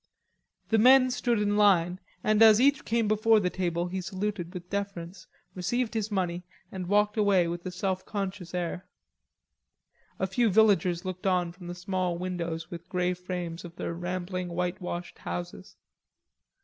The men stood in line and as each came before the table he saluted with deference, received his money and walked away with a self conscious air. A few villagers looked on from the small windows with grey frames of their rambling whitewashed houses.